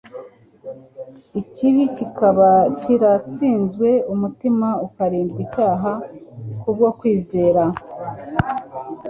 ikibi kikaba kiratsinzwe umutima ukarindwa icyaha kubwo kwizera.